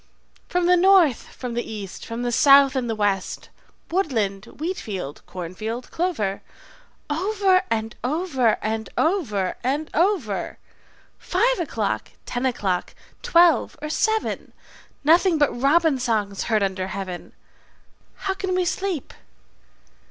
"From the north, from the east, from the south and the west, Woodland, wheat field, corn field, clover, Over and over and over and over, Five o'clock, ten o'clock, twelve, or seven, Nothing but robin songs heard under heaven: How can we sleep?